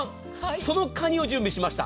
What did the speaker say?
そのかにを準備しました。